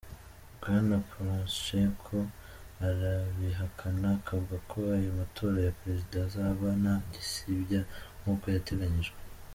Bwana Poroshenko arabihakana, akavuga ko ayo matora ya perezida azaba nta gisibya nkuko yateganyijwe.